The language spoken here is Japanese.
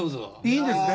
いいんですね。